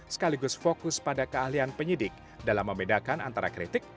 sekaligus fokus pada keahlian penyidik dalam membedakan antara kritik